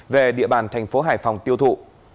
về địa bàn thành phố hải phòng tiêu thụ